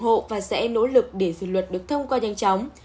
chúng ta sẽ nỗ lực để dự luật được thông qua nhanh chóng